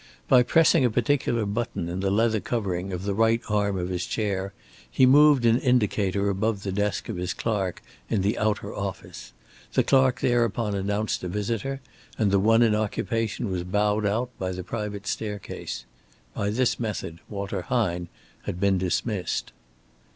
By pressing a particular button in the leather covering of the right arm of his chair, he moved an indicator above the desk of his clerk in the outer office. The clerk thereupon announced a visitor, and the one in occupation was bowed out by the private staircase. By this method Walter Hine had been dismissed.